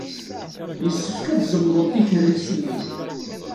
Yessefk ad tzemḍem tikerrist-nni.